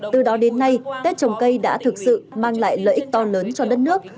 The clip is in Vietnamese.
từ đó đến nay tết trồng cây đã thực sự mang lại lợi ích to lớn cho đất nước